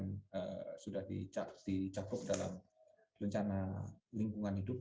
dan sudah dicapuk dalam rencana lingkungan hidup